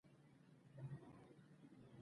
تاریخ، قانون او حکومت